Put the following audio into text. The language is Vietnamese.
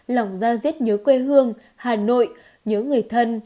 lòng ra rết nhớ quê hương hà nội nhớ người thân